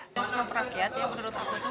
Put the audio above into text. bioskop rakyat ya menurut aku tuh